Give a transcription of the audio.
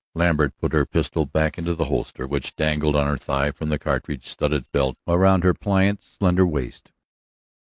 Lambert put her pistol back into the holster which dangled on her thigh from the cartridge studded belt round her pliant, slender waist.